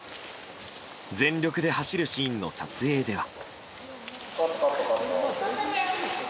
全力で走るシーンの撮影では。